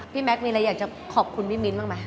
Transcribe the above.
พี่แมซ์มิ่นอะไรอยากจะขอบคุณพี่มิ้นบ้างมั้ย